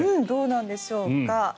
どうなんでしょうか。